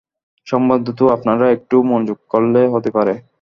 সম্বন্ধ তো আপনারা একটু মনোযোগ করলেই হতে পারে।